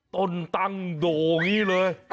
ต้นตั้งโด่งี้เลย